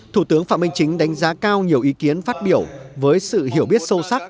thủ tướng phạm minh chính đánh giá cao nhiều ý kiến phát biểu với sự hiểu biết sâu sắc